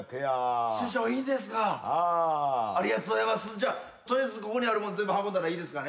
じゃあ取りあえずここにあるもん全部運んだらいいですかね？